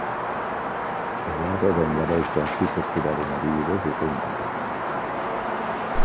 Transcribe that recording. Eduardoren garaiko arkitekturaren adibide bikain bat da.